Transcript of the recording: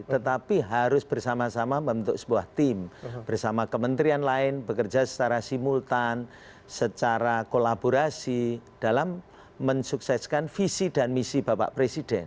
tetapi harus bersama sama membentuk sebuah tim bersama kementerian lain bekerja secara simultan secara kolaborasi dalam mensukseskan visi dan misi bapak presiden